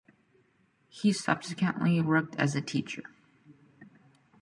He subsequently worked as a teacher.